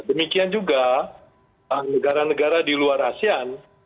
demikian juga negara negara di luar asean